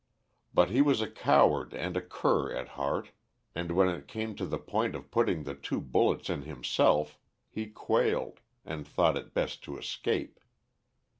But he was a coward and a cur at heart, and when it came to the point of putting the two bullets in himself he quailed, and thought it best to escape.